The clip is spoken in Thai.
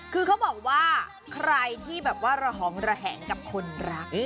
คือเขาบอกว่าใครที่แบบว่าระหองระแหงกับคนรัก